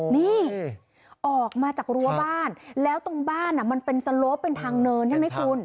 นี่ออกมาจากรั้วบ้านแล้วตรงบ้านมันเป็นสโลปเป็นทางเนินใช่ไหมคุณ